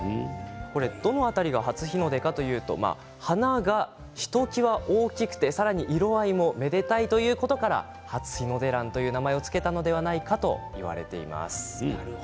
どの辺りが初日の出かというと花がひときわ大きくてさらに色合いもめでたいということから、はつひのでらんという名前を付けたのではないかといわれています。